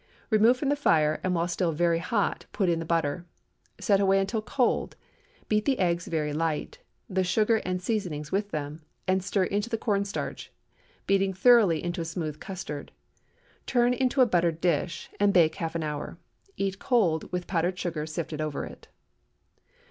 Remove from the fire, and while still very hot, put in the butter. Set away until cold; beat the eggs very light—the sugar and seasoning with them, and stir into the corn starch, beating thoroughly to a smooth custard. Turn into a buttered dish, and bake half an hour. Eat cold, with powdered sugar sifted over it.